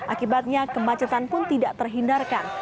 akibatnya kemacetan pun tidak terhindarkan